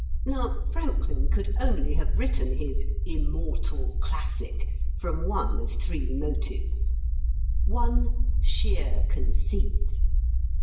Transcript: Now Franklin could only have written his "immortal classic" from one of three motives: (1) Sheer conceit.